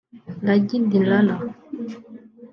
Raggi; Dirar